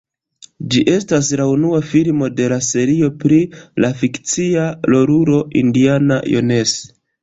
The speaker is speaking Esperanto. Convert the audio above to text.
Ĝi estas la unua filmo de la serio pri la fikcia rolulo Indiana Jones.